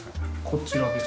こちらです。